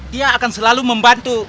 dia akan selalu membantu